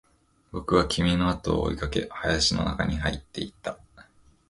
僕は君のあとを追いかけ、林の中に入っていった